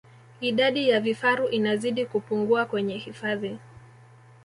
Idadi ya vifaru inazidi kupungua kwenye hifadhi